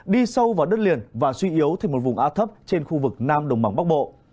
đi sâu vào đất liền và suy yếu thành một vùng áp thấp trên khu vực nam đồng bằng bắc bộ